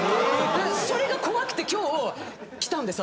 それが怖くて今日来たんです。